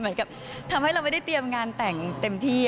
เหมือนกับทำให้เราไม่ได้เตรียมงานแต่งเต็มที่